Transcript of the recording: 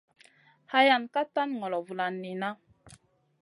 Hayan ka tan ŋolo vulan niyna.